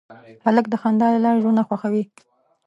هلک د خندا له لارې زړونه خوښوي.